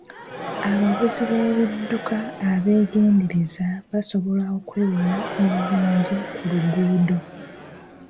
Abavuzi b'ebidduka abeegendereza basobola okwewala obubenje ku luguudo.